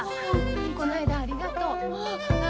こないだはありがとう。